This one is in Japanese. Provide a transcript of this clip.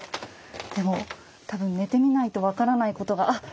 でも多分寝てみないと分からないことがあっ